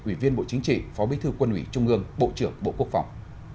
ủy viên bộ chính trị phó bí thư quân ủy trung ương bộ trưởng bộ quốc phòng